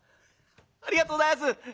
「ありがとうございます。